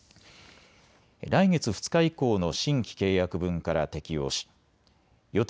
来月２日以降の新規契約分から適用し予定